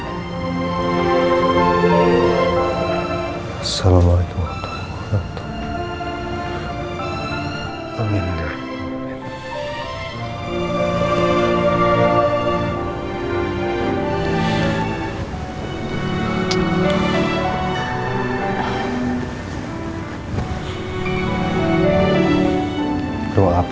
assalamualaikum warahmatullahi wabarakatuh